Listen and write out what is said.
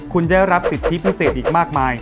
คุณได้รับสิทธิพิเศษอีกมากมาย